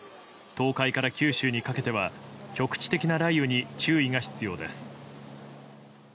東海から九州にかけては局地的な雷雨に注意が必要です。